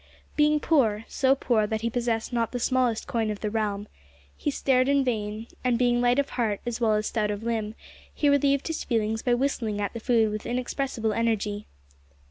Being poor so poor that he possessed not the smallest coin of the realm he stared in vain; and, being light of heart as well as stout of limb, he relieved his feelings by whistling at the food with inexpressible energy.